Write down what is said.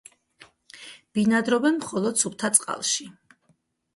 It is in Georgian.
ბინადრობენ მხოლოდ სუფთა წყალში.